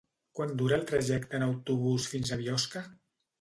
Quant dura el trajecte en autobús fins a Biosca?